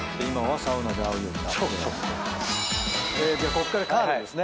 こっからカードですね。